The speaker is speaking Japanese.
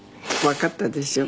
わかったでしょ？